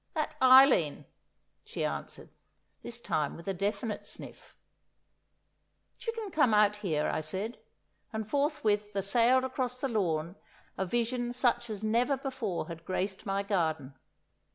"That Eileen!" she answered, this time with a definite sniff. "She can come out here," I said, and forthwith there sailed across the lawn a vision such as never before had graced my garden.